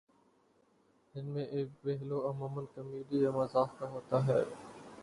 ان میں ایک پہلو عمومًا کامیڈی یا مزاح کا ہوتا ہے